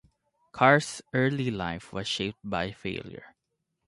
Carr's early life was shaped by failure.